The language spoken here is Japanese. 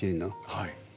はい。